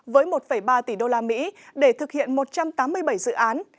với một ba tỷ đô la mỹ để thực hiện một trăm tám mươi bảy dự án